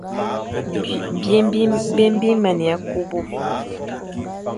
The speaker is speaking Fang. Byôm bi mana kuba.